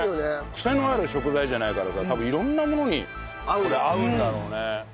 クセのある食材じゃないからさ多分色んなものにこれ合うんだろうね。